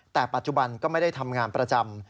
แต่ปัจจุบันก็ไม่ได้ทำงานประจำ